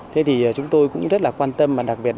thế thì chúng tôi cũng rất là quan tâm